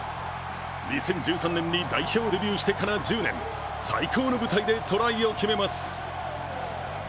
２０１３年に代表デビューしてから１０年、最高の舞台でトライを決めます。